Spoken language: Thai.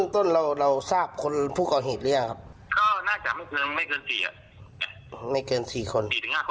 ทำไม่ได้ไงระวังแค่เกณฑ์ก่อน